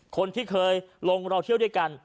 คนที่เคยลงเราเที่ยวด้วยกัน